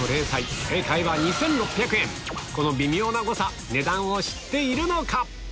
この微妙な誤差値段を知っているのか？